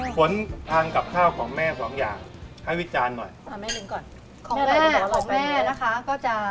ผลทางกับข้าวของแม่๒อย่างให้วิจารณ์หน่อย